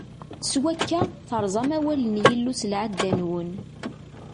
S wakka, terẓam awal n Yillu s lɛadda-nwen.